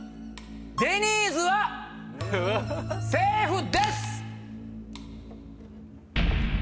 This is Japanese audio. デニーズはセーフです！